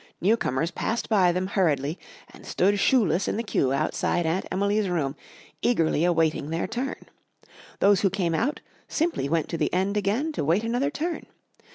New comers passed by them hurriedly and stood shoeless in the queue outside Aunt Emily's room eagerly awaiting their turn. Those who came out simply went to the end again to wait another turn.